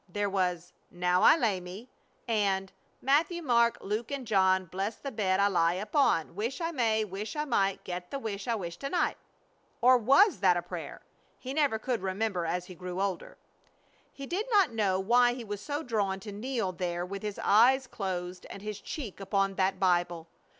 There was, "Now I lay me," and "Matthew, Mark, Luke, and John, bless the bed I lie upon; Wish I may, wish I might, get the wish I wish to night!" Or was that a prayer? He never could remember as he grew older. He did not know why he was drawn to kneel there with his eyes closed and his cheek upon that Bible.